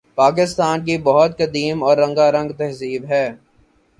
پاکستان کی بہت قدیم اور رنگارنگ تہذیب ہے